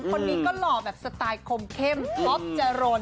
คนนี้ก็หล่อแบบสไตล์คมเข้มท็อปจรน